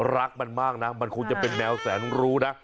รักมันมากนะมันคงจะเป็นแมวแสนรู้นะ